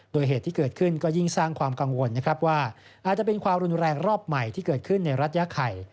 โดยเหตุที่เกิดขึ้นก็ยิ่งสร้างความกังวลนะครับว่าอาจจะเป็นความรุนแรงรอบใหม่ที่เกิดขึ้นในรัฐยาไข่